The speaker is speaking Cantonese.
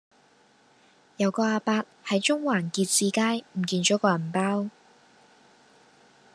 有個亞伯喺中環結志街唔見左個銀包